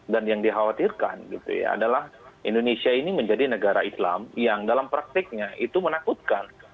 dan yang dikhawatirkan gitu ya adalah indonesia ini menjadi negara islam yang dalam praktiknya itu menakutkan